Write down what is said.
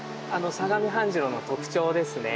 相模半白の特徴ですね。